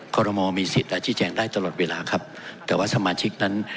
ขอรมอลมีสิทธิ์และชี้แจงได้ตลอดเวลาครับแต่ว่าสมาชิกนั้น